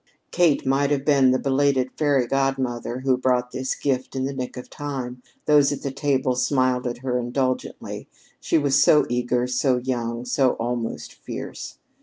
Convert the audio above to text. Kate might have been the belated fairy godmother who brought this gift in the nick of time. Those at the table smiled at her indulgently, she was so eager, so young, so almost fierce.